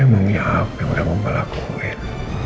emangnya apa yang udah mama lakuin